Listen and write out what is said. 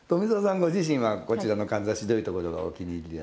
ご自身はこちらのかんざしどういうところがお気に入りでいらっしゃいます？